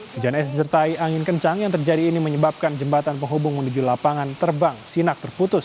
hujan es disertai angin kencang yang terjadi ini menyebabkan jembatan penghubung menuju lapangan terbang sinak terputus